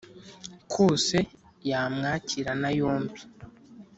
kose yamwakira nayombi”